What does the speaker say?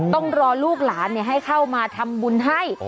ต้องรอลูกหลานให้เข้ามาทำบุญให้